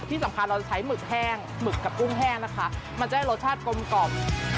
ที่สำคัญเราจะใช้หมึกแห้งหมึกกับกุ้งแห้งนะคะมันจะได้รสชาติกลมกล่อม